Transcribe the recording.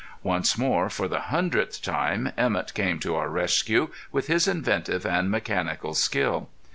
Once more, for the hundredth time, Emett came to our rescue with his inventive and mechanical skill.